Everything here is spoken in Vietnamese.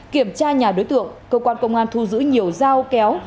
kiểm tra nhà đối tượng cơ quan công an thu giữ nhiều dao kéo